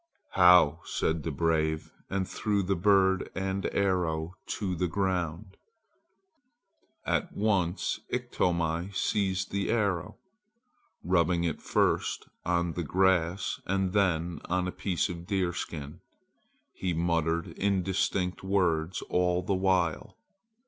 "How!" said the brave, and threw the bird and arrow to the ground. At once Iktomi seized the arrow. Rubbing it first on the grass and then on a piece of deerskin, he muttered indistinct words all the while.